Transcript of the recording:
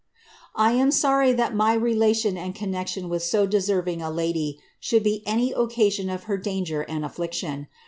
^ I am sorry that my relation and connection with so deserving a lady ihould be any occasion of her danger and affliction.